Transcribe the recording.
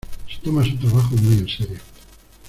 Se toma su trabajo muy en serio.